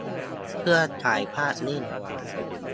เครื่องฉายภาพนิ่ง